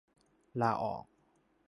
ลาออก